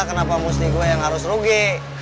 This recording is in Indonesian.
kenapa mesti gue yang harus rugi